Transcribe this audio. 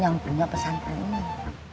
yang punya pesan penuh